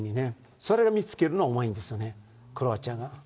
それを見つけるのがうまいんですよね、クロアチアが。